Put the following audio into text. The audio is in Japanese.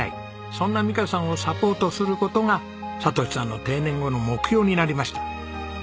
そんな美香さんをサポートする事が聰さんの定年後の目標になりました。